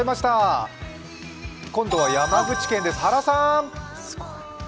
今度は山口県です原さーん。